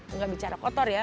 enggak bicara kotor ya